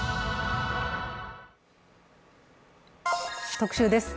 特集です。